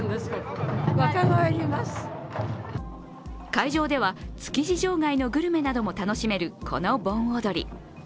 会場では築地場外のグルメなども楽しめるこの盆踊り。